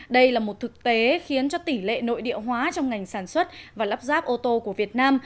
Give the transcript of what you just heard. đây là một thực tế khiến cho tỷ lệ nội địa hóa trong ngành sản xuất và lắp ráp ô tô của việt nam